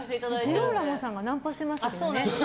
ジローラモさんがナンパしてましたけどね。